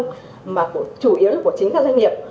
mà chủ yếu là của chính doanh nghiệp